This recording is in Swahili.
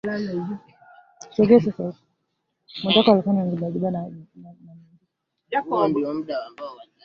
Kati ya eneo hilo Kilomita za mraba